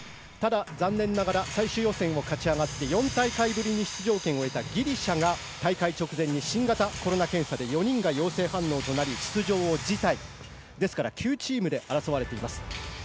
ただ残念ながら、最終予選を勝ち上がって４大会ぶりに出場権を得たギリシャが大会直前に新型コロナ検査で４人が陽性反応となり、出場を辞退。